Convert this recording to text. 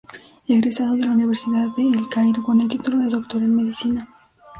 Egresado de la Universidad de El Cairo con el título de doctor en medicina.